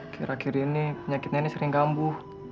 kira kira ini penyakit nenek sering gambuh